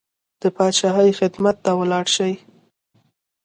د پاچاهۍ خدمت ته ولاړ شي.